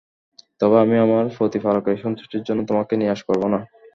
তবে আমি আমার প্রতিপালকের সন্তুষ্টির জন্য তোমাকে নিরাশ করব না।